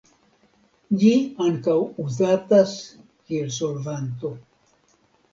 Ĝi ankaŭ uzatas kiel solvanto.